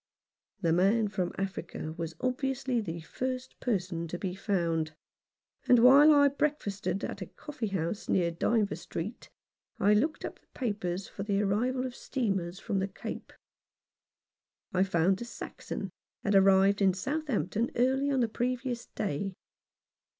The man from Africa was obviously the first person to be found ; and while I breakfasted at a coffee house near Dynevor Street I looked up the papers for the arrival of steamers from the Cape. I found the Saxon had arrived at Southampton early on the previous day.